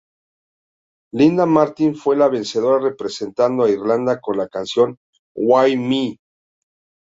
Linda Martin fue la vencedora representando a Irlanda con la canción ""Why Me?